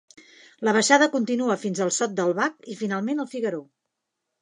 La baixada continua fins al Sot del Bac i finalment el Figaró.